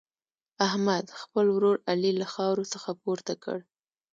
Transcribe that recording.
احمد، خپل ورور علي له خاورو څخه پورته کړ.